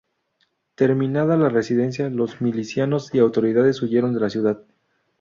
Terminada la resistencia, los milicianos y autoridades huyeron de la ciudad.